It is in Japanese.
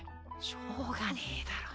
しょうがねぇだろ。